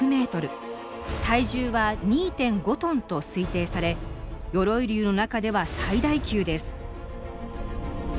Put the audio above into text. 体重は２．５トンと推定され鎧竜の中では最大級です。